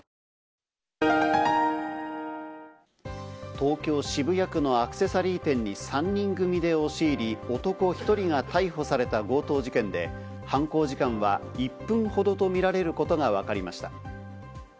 東京・渋谷区のアクセサリー店に３人組で押し入り、男１人が逮捕された強盗事件で、犯行時間は１分ほどとみられることがわかりました。